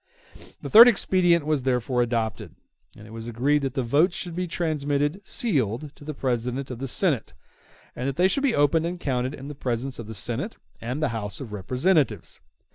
The third expedient was therefore adopted, and it was agreed that the votes should be transmitted sealed to the President of the Senate, and that they should be opened and counted in the presence of the Senate and the House of Representatives.